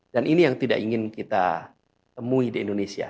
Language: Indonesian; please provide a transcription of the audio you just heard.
dan ini yang tidak ingin kita temui di indonesia